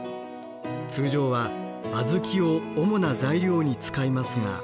通常は小豆を主な材料に使いますが。